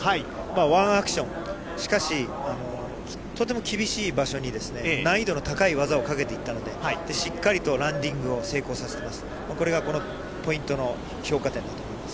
ワンアクション、しかしとても厳しい場所に、難易度の高い技をかけていったので、しっかりとランディングを成功させてます、これがこのポイントの評価点だと思います。